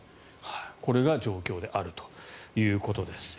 これが状況であるということです。